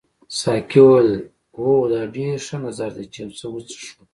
ساقي وویل هو دا ډېر ښه نظر دی چې یو څه وڅښو.